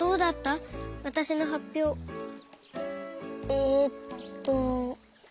えっと。